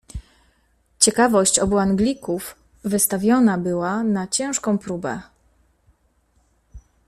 Ciekawość obu Anglików wystawiona była na ciężką próbę.